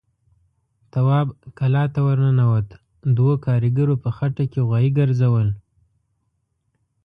تواب کلا ته ور ننوت، دوو کاريګرو په خټه کې غوايي ګرځول.